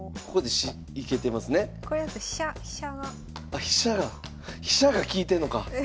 あ飛車が飛車が利いてんのか。